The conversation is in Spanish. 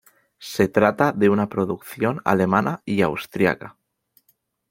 Se trata de una producción alemana y austriaca.